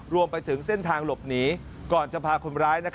รวมไปถึงเส้นทางหลบหนีก่อนจะพาคนร้าย